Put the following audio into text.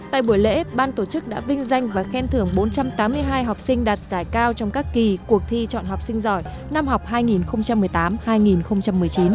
tại buổi lễ ban tổ chức đã vinh danh và khen thưởng bốn trăm tám mươi hai học sinh đạt giải cao trong các kỳ cuộc thi chọn học sinh giỏi năm học hai nghìn một mươi tám hai nghìn một mươi chín